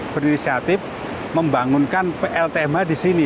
berinisiatif membangunkan pltmh di sini